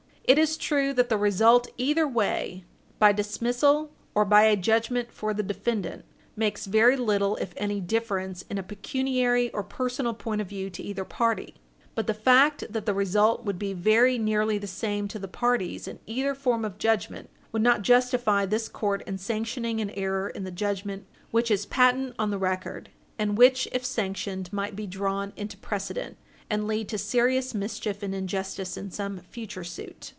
It is true that the result either way, by dismissal or by a judgment for the defendant, makes very little, if any, difference in a pecuniary or personal point of view to either party. But the fact that the result would be very nearly the same to the parties in either form of judgment would not justify this court in sanctioning an error in the judgment which is patent on the record, and which, if sanctioned, might be drawn into precedent, and lead to serious mischief and injustice in some future suit.